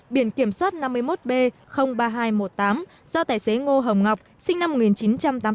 biển kiểm soát năm mươi một b ba nghìn hai trăm một mươi tám do tài xế ngô hồng ngọc sinh năm một nghìn chín trăm tám mươi tám